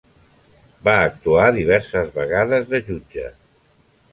Va actuar diverses vegades de jutge.